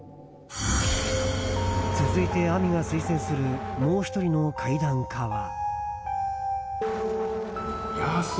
続いて、ぁみが推薦するもう１人の怪談家は。